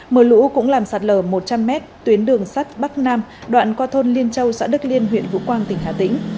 mưa lũ cũng làm sạt lở một trăm linh m tuyến đường sắt bắc nam đoạn qua thôn liên châu xã đức liên huyện vũ quang tỉnh hà tĩnh